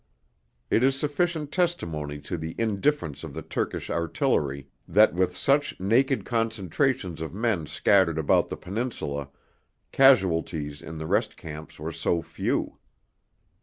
It is sufficient testimony to the indifference of the Turkish artillery that with such naked concentrations of men scattered about the Peninsula, casualties in the rest camps were so few.